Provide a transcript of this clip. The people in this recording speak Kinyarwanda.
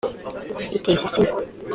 Biteye isesemi